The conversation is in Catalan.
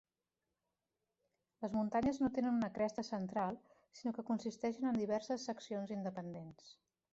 Les muntanyes no tenen una cresta central sinó que consisteixen en diverses seccions independents.